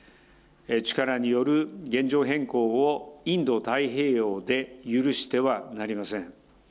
力による現状変更をインド太平洋で許してはなりません。